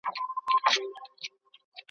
هغه ستا یادونه پر هارونه سوه